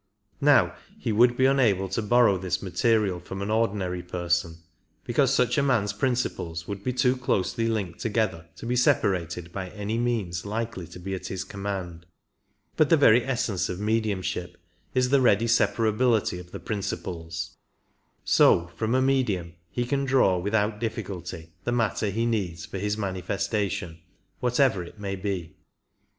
Now he would be unable to borrow this material from an ordinary person, because such a man's principles would be too closely linked together to be separated by any means likely to be at his command, but the very essence of mediumship is the ready separability of the principles, so from a medium he can draw without difficulty the matter he needs for his manifestation, whatever it may be.